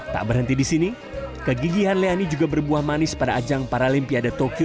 tak berhenti di sini kegigihan leoni juga berbuah manis pada ajang paralimpiade tokyo dua ribu dua puluh